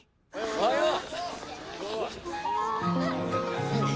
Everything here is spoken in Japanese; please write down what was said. おはよう。